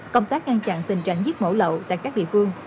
công tác ngăn chặn tình trạng giết mổ lậu tại các địa phương